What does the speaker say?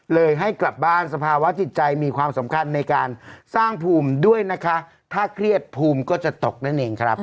ให้กลับบ้านสภาวะจิตใจมีความสำคัญในการสร้างภูมิด้วยนะคะถ้าเครียดภูมิก็จะตกนั่นเองครับ